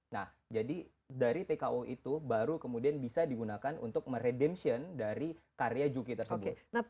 nah jadi dari tko itu baru kemudian bisa digunakan untuk meredemption dari karya juki tersebut